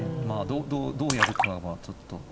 まあどうやるかはちょっと。